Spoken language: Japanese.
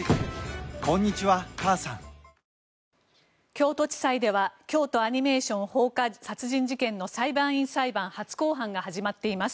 京都地裁では京都アニメーション放火殺人事件の裁判員裁判初公判が始まっています。